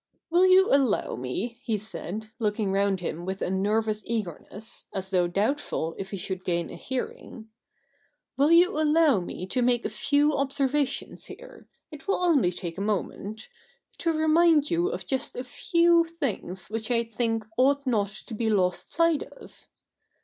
152 THE NEW REPUBLIC [bk. hi ' Will you allow me,' he said, looking round him with a nervous eagerness, as though doubtful if he should gain a hearing, ' will you allow me to make a few observations here — it will only take a moment — to remind you of just d.few things which I think ought not to be lost sight of?